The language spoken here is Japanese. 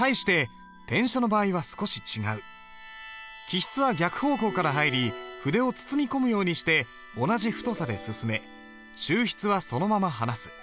起筆は逆方向から入り筆を包み込むようにして同じ太さで進め収筆はそのまま離す。